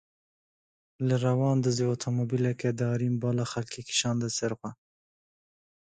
Li Rewandizê otomobîleke darîn bala xelkê kişande ser xwe.